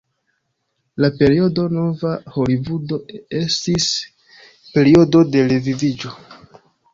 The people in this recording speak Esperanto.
La periodo "Nova Holivudo" estis periodo de reviviĝo.